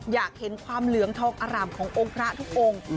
อยากเห็นความเหลืองทองอร่ามขององค์พระทุกองค์